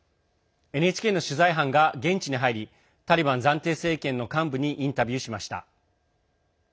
ＮＨＫの取材班が現地に入りタリバン暫定政権の幹部にインタビューしました。